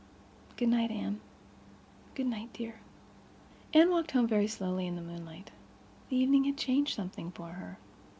Good night, Anne." "Good night, dear." Anne walked home very slowly in the moonlight. The evening had changed something for her.